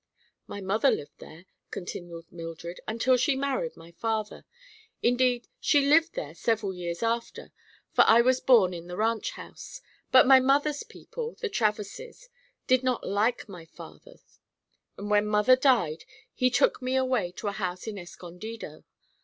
"My mother lived there," continued Mildred, "until she married my father. Indeed, she lived there several years after, for I was born in the ranch house. But my mother's people—the Traverses—did not like my father, and when mother died he took me away to a house in Escondido.